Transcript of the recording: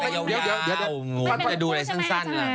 หนูว่าเป็นทุกคน